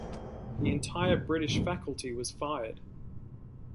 The entire British faculty was fired.